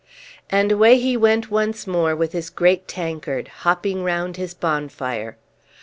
And away he went once more with his great tankard hopping round his bonfire.